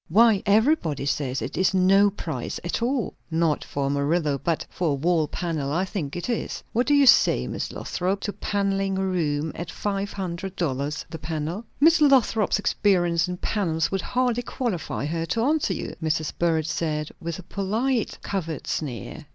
Why, everybody says it is no price at all." "Not for the Murillo; but for a wall panel, I think it is. What do you say, Miss Lothrop, to panelling a room at five hundred dollars the panel?" "Miss Lothrop's experience in panels would hardly qualify her to answer you," Mrs. Burrage said, with a polite covert sneer.